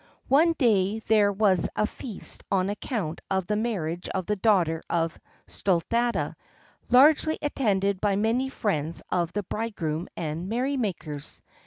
One day there was a feast on account of the marriage of the daughter of Sthuladatta, largely attended by many friends of the bridegroom and merry makers.